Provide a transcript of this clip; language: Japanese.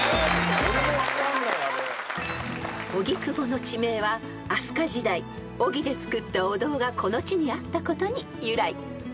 ［荻窪の地名は飛鳥時代荻でつくったお堂がこの地にあったことに由来］